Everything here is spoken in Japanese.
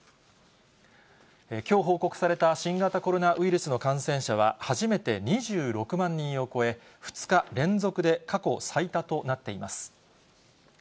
きょう報告された新型コロナウイルスの感染者は、初めて２６万人を超え、２日連続で過去最多となっています。